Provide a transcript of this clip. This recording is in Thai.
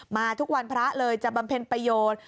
มาทุกวันพระเลยจะบำเพ็ญประโยชน์